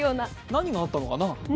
何があったのかな。